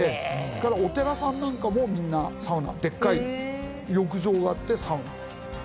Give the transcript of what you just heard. それからお寺さんなんかもみんなサウナでっかい浴場があってサウナ。